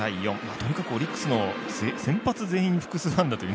とにかくオリックスの先発全員複数安打という。